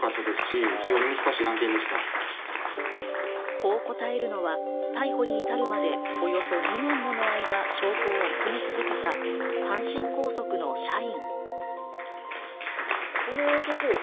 こう答えるのは逮捕に至るまでおよそ２年もの間、証拠を集め続けた阪神高速の社員。